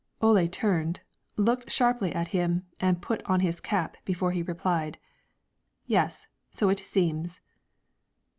Ole turned, looked sharply at him, and put on his cap before he replied, "Yes, so it seems."